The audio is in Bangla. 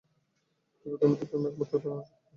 জগতের মধ্যে প্রেমই একমাত্র প্রেরণা-শক্তি।